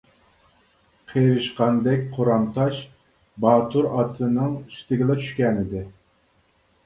قېرىشقاندەك قورام تاش باتۇر ئاتىنىڭ ئۈستىگىلا چۈشكەنىدى.